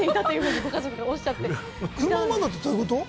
車の窓ってどういうこと？